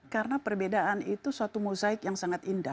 karena perbedaan itu suatu mosaik yang sangat indah